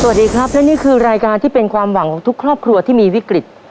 สวัสดีครับและนี่คือรายการที่เป็นความหวังของทุกครอบครัวที่มีวิกฤต